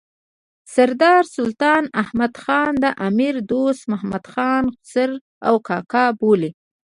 سردار سلطان احمد خان د امیر دوست محمد خان خسر او کاکا بولي.